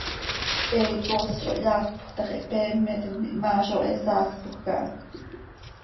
He icoos zo hyaaspoj tax, ihpeemetim, ihmaa zo he saaspoj caha.